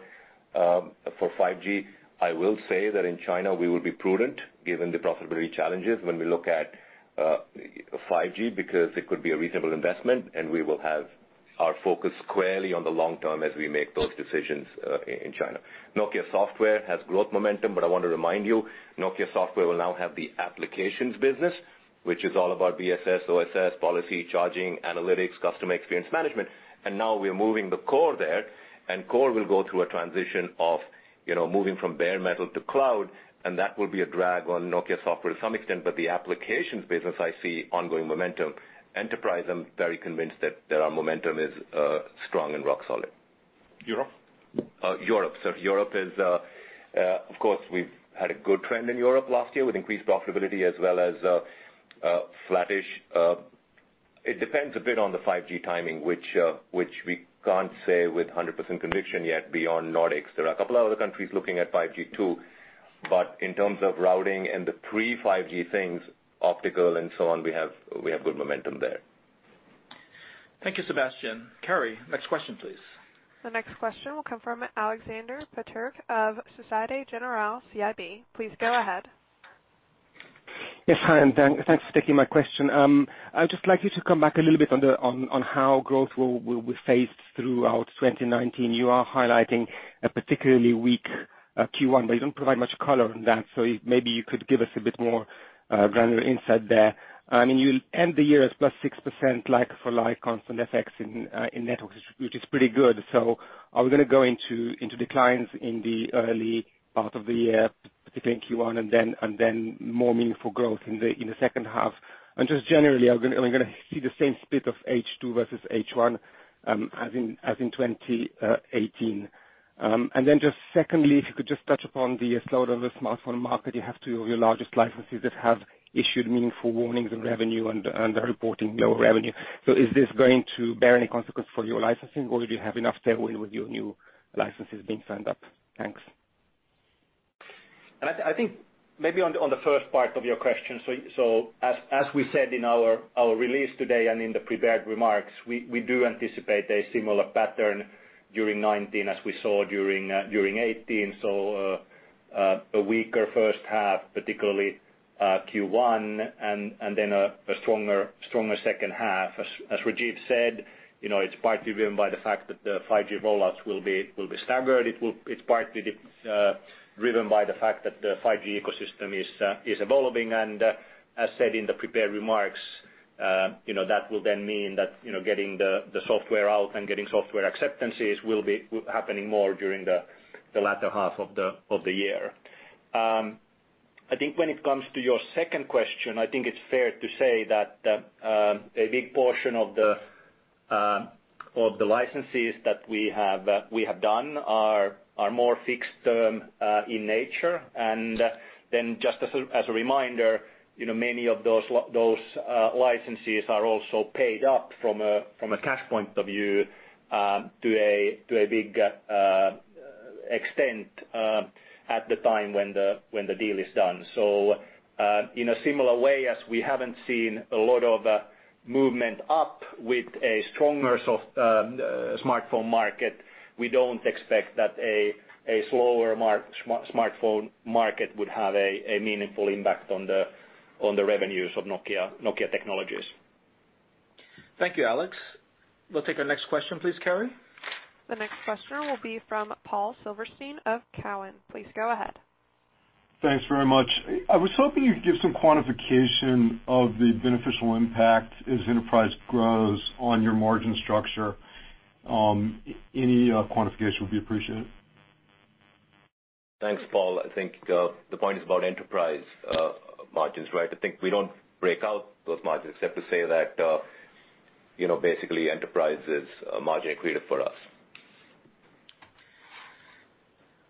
5G. I will say that in China we will be prudent given the profitability challenges when we look at 5G, because it could be a reasonable investment, and we will have our focus squarely on the long term as we make those decisions in China. Nokia Software has growth momentum, but I want to remind you, Nokia Software will now have the applications business, which is all about BSS, OSS, policy, charging, analytics, customer experience management. Now we're moving the core there, and core will go through a transition of moving from bare metal to cloud, and that will be a drag on Nokia Software to some extent. The applications business, I see ongoing momentum. Enterprise, I'm very convinced that our momentum is strong and rock solid. Europe? Europe. Sorry. Europe is, of course, we've had a good trend in Europe last year with increased profitability as well as flattish. It depends a bit on the 5G timing, which we can't say with 100% conviction yet beyond Nordics. There are a couple of other countries looking at 5G, too. In terms of routing and the pre-5G things, optical and so on, we have good momentum there. Thank you, Sebastien. Carrie, next question, please. The next question will come from Alexander Peterc of Societe Generale CIB. Please go ahead. Yes. Hi, thanks for taking my question. I'd just like you to come back a little bit on how growth will be phased throughout 2019. You are highlighting a particularly weak Q1, but you don't provide much color on that. Maybe you could give us a bit more granular insight there. You'll end the year as +6% like for like constant FX in Networks, which is pretty good. Are we going to go into declines in the early part of the year, particularly Q1, and then more meaningful growth in the second half? Generally, are we going to see the same split of H2 versus H1 as in 2018? Secondly, if you could just touch upon the slowdown of the smartphone market. You have two of your largest licensees that have issued meaningful warnings of revenue and are reporting lower revenue. Is this going to bear any consequence for your licensing, or do you have enough tailwind with your new licenses being signed up? Thanks. I think maybe on the first part of your question, as we said in our release today and in the prepared remarks, we do anticipate a similar pattern during 2019 as we saw during 2018. A weaker first half, particularly Q1, and then a stronger second half. As Rajeev said, it's partly driven by the fact that the 5G rollouts will be staggered. It's partly driven by the fact that the 5G ecosystem is evolving. As said in the prepared remarks, that will then mean that getting the software out and getting software acceptances will be happening more during the latter half of the year. I think when it comes to your second question, I think it's fair to say that a big portion of the licenses that we have done are more fixed term in nature. Just as a reminder, many of those licensees are also paid up from a cash point of view to a big extent at the time when the deal is done. In a similar way as we haven't seen a lot of movement up with a stronger smartphone market, we don't expect that a slower smartphone market would have a meaningful impact on the revenues of Nokia Technologies. Thank you, Alex. We'll take our next question please, Carrie. The next question will be from Paul Silverstein of Cowen. Please go ahead. Thanks very much. I was hoping you'd give some quantification of the beneficial impact as Enterprise grows on your margin structure. Any quantification would be appreciated. Thanks, Paul. I think the point is about Enterprise margins, right? I think we don't break out those margins except to say that basically Enterprise is margin accretive for us.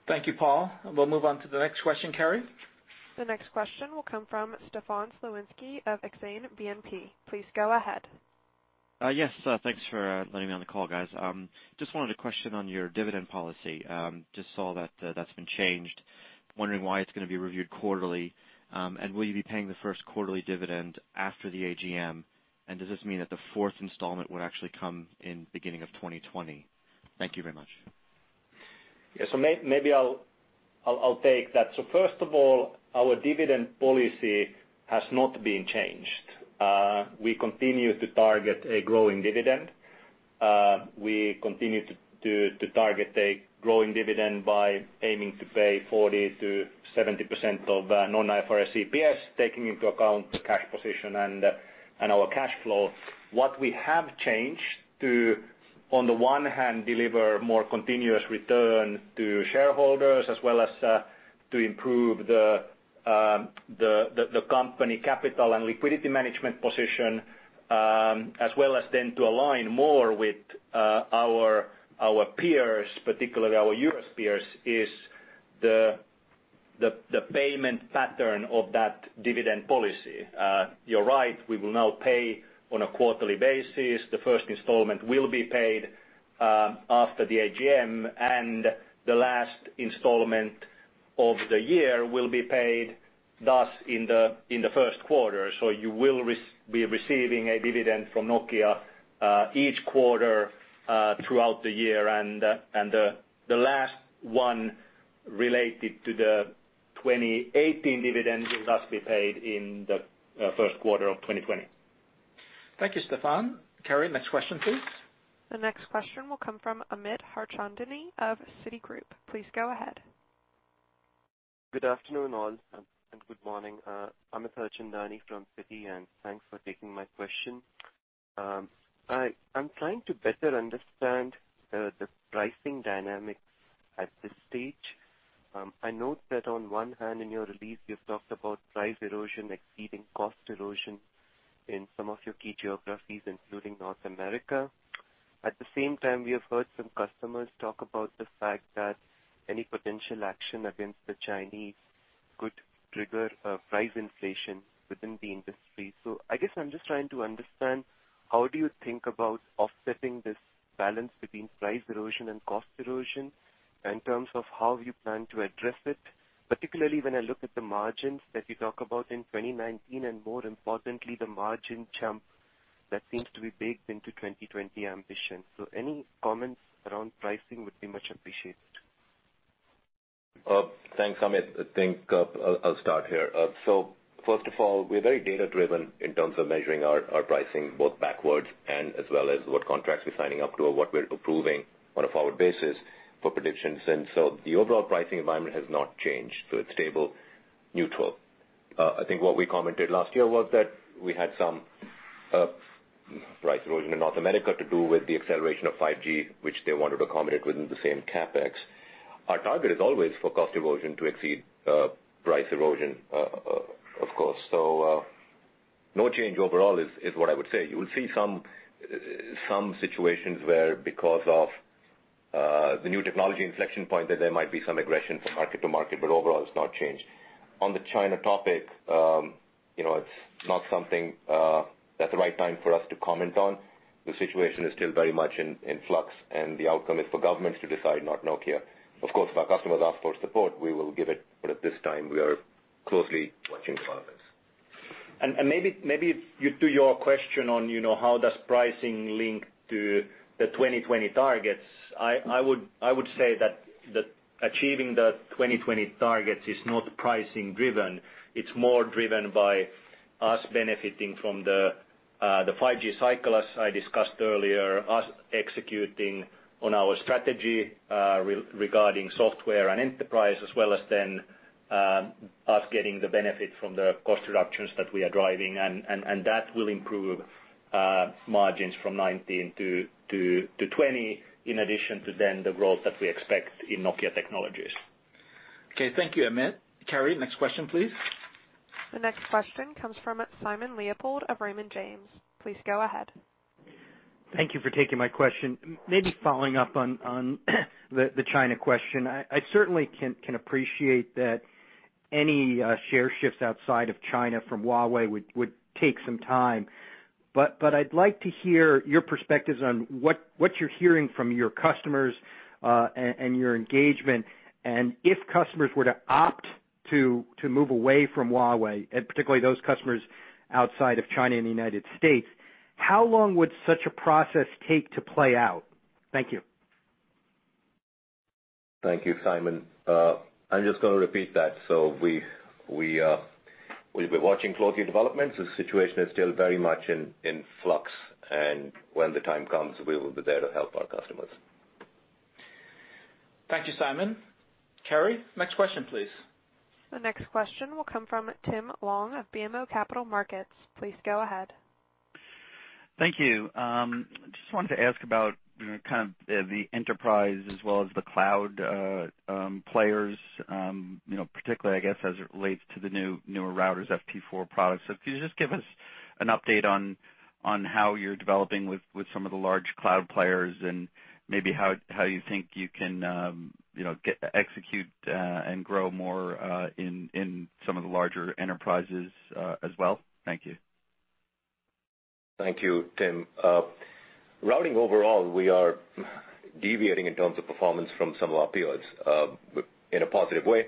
Thank you, Paul. We'll move on to the next question, Carrie. Yes. The next question will come from Stefan Slowinski of Exane BNP. Please go ahead. Yes. Thanks for letting me on the call, guys. Just wanted a question on your dividend policy. Just saw that that's been changed. Wondering why it's going to be reviewed quarterly, and will you be paying the first quarterly dividend after the AGM? Does this mean that the fourth installment would actually come in beginning of 2020? Thank you very much. Yeah. Maybe I'll take that. First of all, our dividend policy has not been changed. We continue to target a growing dividend. We continue to target a growing dividend by aiming to pay 40%-70% of non-IFRS EPS, taking into account cash position and our cash flow. What we have changed to, on the one hand, deliver more continuous return to shareholders as well as to improve the company capital and liquidity management position as well as then to align more with our peers, particularly our U.S. peers, is the payment pattern of that dividend policy. You're right, we will now pay on a quarterly basis. The first installment will be paid after the AGM, and the last installment of the year will be paid thus in the first quarter. You will be receiving a dividend from Nokia each quarter throughout the year, and the last one related to the 2018 dividend will thus be paid in the first quarter of 2020. Thank you, Stefan. Carrie, next question, please. The next question will come from Amit Harchandani of Citigroup. Please go ahead. Good afternoon all, and good morning. Amit Harchandani from Citi, thanks for taking my question. I'm trying to better understand the pricing dynamics at this stage. I note that on one hand, in your release, you've talked about price erosion exceeding cost erosion in some of your key geographies, including North America. At the same time, we have heard some customers talk about the fact that any potential action against the Chinese could trigger a price inflation within the industry. I guess I'm just trying to understand how do you think about offsetting this balance between price erosion and cost erosion in terms of how you plan to address it. Particularly when I look at the margins that you talk about in 2019, and more importantly, the margin jump that seems to be baked into 2020 ambition. Any comments around pricing would be much appreciated. Thanks, Amit. I think I'll start here. First of all, we're very data driven in terms of measuring our pricing both backwards and as well as what contracts we're signing up to or what we're approving on a forward basis for predictions. The overall pricing environment has not changed. It's stable, neutral. I think what we commented last year was that we had some price erosion in North America to do with the acceleration of 5G, which they wanted to accommodate within the same CapEx. Our target is always for cost erosion to exceed price erosion, of course. No change overall is what I would say. You will see some situations where, because of the new technology inflection point, that there might be some aggression from market to market, but overall, it's not changed. On the China topic, it's not something that's the right time for us to comment on. The situation is still very much in flux, and the outcome is for governments to decide, not Nokia. Of course, if our customers ask for support, we will give it, but at this time, we are closely watching developments. Maybe to your question on how does pricing link to the 2020 targets, I would say that achieving the 2020 targets is not pricing driven. It's more driven by us benefiting from the 5G cycle as I discussed earlier, us executing on our strategy regarding Software and Enterprise, as well as then us getting the benefit from the cost reductions that we are driving, and that will improve margins from 2019 to 2020, in addition to then the growth that we expect in Nokia Technologies. Okay. Thank you, Amit. Carrie, next question please. The next question comes from Simon Leopold of Raymond James. Please go ahead. Thank you for taking my question. Maybe following up on the China question. I certainly can appreciate that any share shifts outside of China from Huawei would take some time, but I'd like to hear your perspectives on what you're hearing from your customers, and your engagement, and if customers were to opt to move away from Huawei, and particularly those customers outside of China and the U.S., how long would such a process take to play out? Thank you. Thank you, Simon. I'm just going to repeat that. We've been watching closely developments. The situation is still very much in flux, and when the time comes, we will be there to help our customers. Thank you, Simon. Carrie, next question please. The next question will come from Tim Long of BMO Capital Markets. Please go ahead. Thank you. Just wanted to ask about kind of the enterprise as well as the cloud players, particularly, I guess, as it relates to the newer routers, FP4 products. If you could just give us an update on how you're developing with some of the large cloud players and maybe how you think you can execute and grow more in some of the larger enterprises as well. Thank you. Thank you, Tim. Routing overall, we are deviating in terms of performance from some of our peers in a positive way.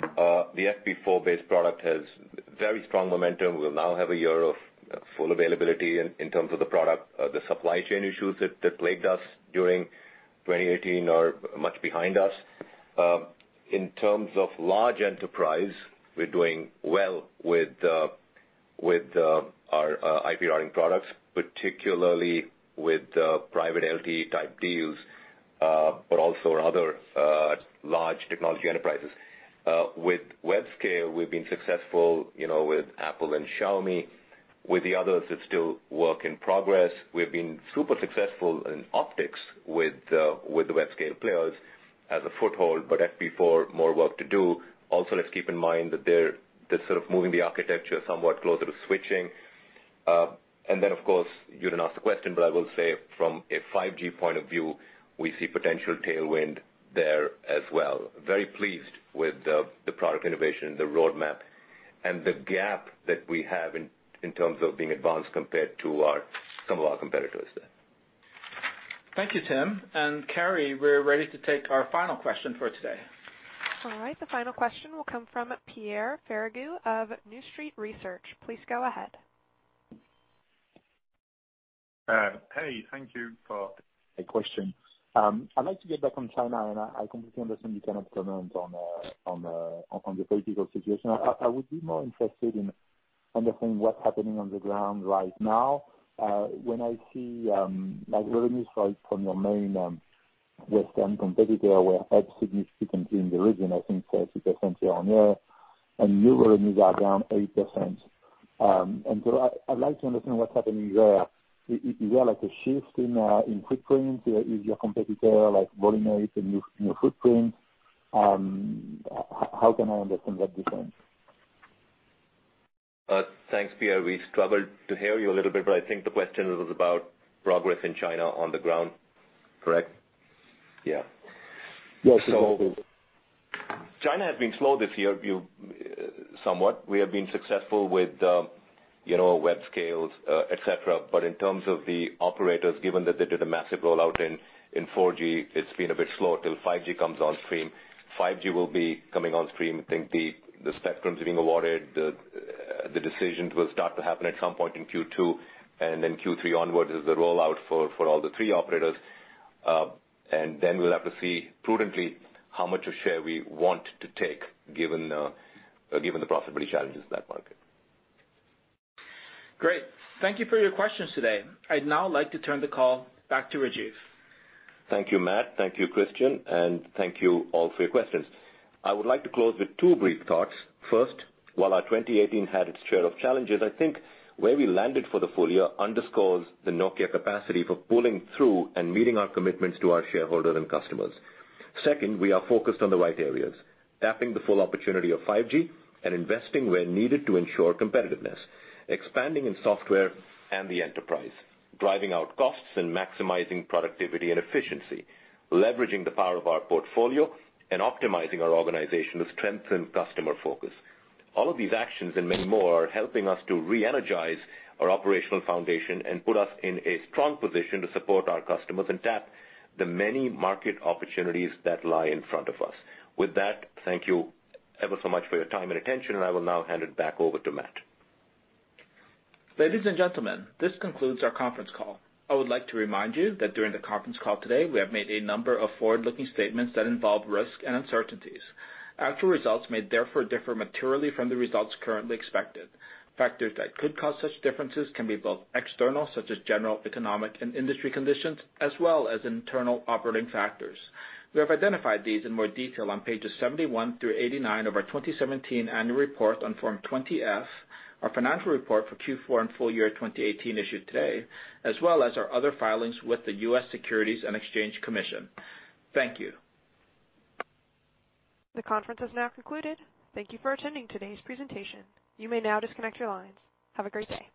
The FP4-based product has very strong momentum. We'll now have a year of full availability in terms of the product. The supply chain issues that plagued us during 2018 are much behind us. In terms of large enterprise, we're doing well with our IP routing products, particularly with private LTE type deals, but also other large technology enterprises. With web scale, we've been successful with Apple and Xiaomi. With the others, it's still work in progress. We've been super successful in optics with the web scale players as a foothold, but FP4, more work to do. Let's keep in mind that they're sort of moving the architecture somewhat closer to switching. Of course, you didn't ask the question, but I will say from a 5G point of view, we see potential tailwind there as well. Very pleased with the product innovation, the roadmap, and the gap that we have in terms of being advanced compared to some of our competitors there. Thank you, Tim. Carrie, we're ready to take our final question for today. All right. The final question will come from Pierre Ferragu of New Street Research. Please go ahead. Hey, thank you for taking my question. I completely understand you cannot comment on the political situation. I would be more interested in understanding what's happening on the ground right now. When I see revenues from your main Western competitor were up significantly in the region, I think 30% year-over-year, your revenues are down 80%. I'd like to understand what's happening there. Is there a shift in footprint? Is your competitor volume-ate in your footprint? How can I understand that difference? Thanks, Pierre. We struggled to hear you a little bit, I think the question was about progress in China on the ground, correct? Yeah. Yes. China has been slow this year, somewhat. We have been successful with web scales, et cetera. In terms of the operators, given that they did a massive rollout in 4G, it's been a bit slow till 5G comes on stream. 5G will be coming on stream. I think the spectrum's being awarded. The decisions will start to happen at some point in Q2, then Q3 onwards is the rollout for all the three operators. We'll have to see prudently how much of share we want to take given the profitability challenges in that market. Great. Thank you for your questions today. I'd now like to turn the call back to Rajeev. Thank you, Matt. Thank you, Kristian, and thank you all for your questions. I would like to close with two brief thoughts. First, while our 2018 had its share of challenges, I think where we landed for the full year underscores the Nokia capacity for pulling through and meeting our commitments to our shareholders and customers. Second, we are focused on the right areas, tapping the full opportunity of 5G and investing where needed to ensure competitiveness, expanding in software and the enterprise, driving out costs and maximizing productivity and efficiency, leveraging the power of our portfolio and optimizing our organization to strengthen customer focus. All of these actions and many more are helping us to reenergize our operational foundation and put us in a strong position to support our customers and tap the many market opportunities that lie in front of us. With that, thank you ever so much for your time and attention, I will now hand it back over to Matt. Ladies and gentlemen, this concludes our conference call. I would like to remind you that during the conference call today, we have made a number of forward-looking statements that involve risks and uncertainties. Actual results may therefore differ materially from the results currently expected. Factors that could cause such differences can be both external, such as general economic and industry conditions, as well as internal operating factors. We have identified these in more detail on pages 71 through 89 of our 2017 annual report on Form 20-F, our financial report for Q4 and full year 2018 issued today, as well as our other filings with the U.S. Securities and Exchange Commission. Thank you. The conference has now concluded. Thank you for attending today's presentation. You may now disconnect your lines. Have a great day.